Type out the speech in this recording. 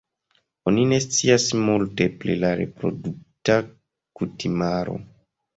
Oni ne scias multe pli la reprodukta kutimaro.